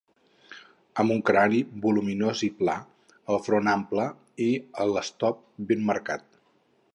Amb un crani voluminós i pla, el front ample i el stop ben marcat.